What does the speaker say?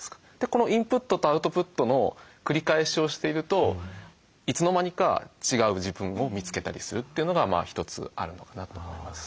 このインプットとアウトプットの繰り返しをしているといつの間にか違う自分を見つけたりするというのが一つあるのかなと思います。